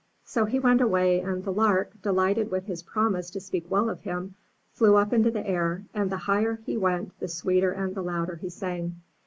So he went away, and the Lark, delighted with his promise to speak well of him, flew up into the air, and the higher he went the sweeter and the louder he sang.